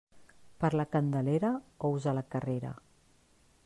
Per la Candelera, ous a la carrera.